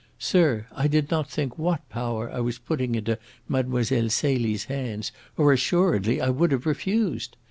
Sir, I did not think what power I was putting into Mlle. Celie's hands, or assuredly I would have refused.